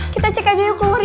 kita cek aja yuk keluar